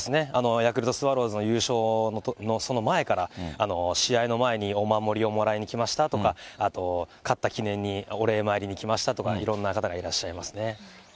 ヤクルトスワローズの優勝の、その前から、試合の前にお守りをもらいに来ましたとか、あと、勝った記念にお礼参りに来ましたとか、いろんな方がいらっしゃいますね。